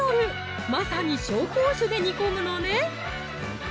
まさに紹興酒で煮込むのね